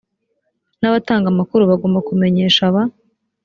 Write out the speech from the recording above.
n abatanga amakuru bagomba kumenyesha ba